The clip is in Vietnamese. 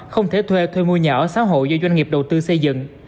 không thể thuê thuê mua nhà ở xã hội do doanh nghiệp đầu tư xây dựng